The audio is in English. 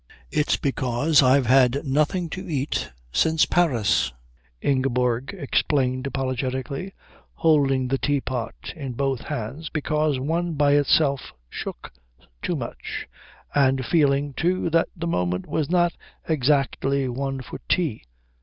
"It's because I've had nothing to eat since Paris," Ingeborg explained apologetically, holding the teapot in both hands because one by itself shook too much, and feeling, too, that the moment was not exactly one for tea.